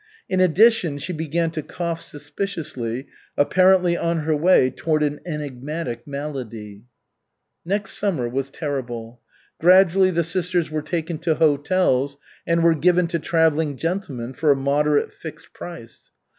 In addition, she began to cough suspiciously, apparently on her way toward an enigmatic malady. Next summer was terrible. Gradually the sisters were taken to hotels and were given to travelling gentlemen for a moderate fixed price.